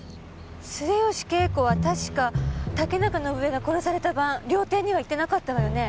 末吉恵子は確か竹中伸枝が殺された晩料亭には行ってなかったわよね。